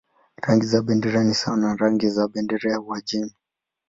Rangi za bendera ni sawa na rangi za bendera ya Uajemi.